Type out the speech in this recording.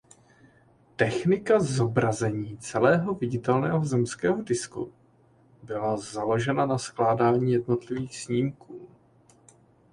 Technika zobrazení celého viditelného zemského disku byla založena na skládání jednotlivých snímků.